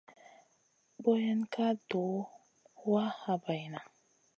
Boyen ka duh wa habayna.